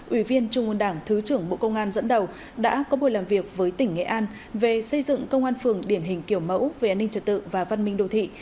ủy viên trung ương đảng thứ trưởng bộ công an dẫn đầu đã có buổi làm việc với tỉnh nghệ an về xây dựng công an phường điển hình kiểu mẫu về an ninh trật tự và văn minh đồ thị